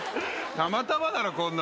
たまたまだろ、こんなん。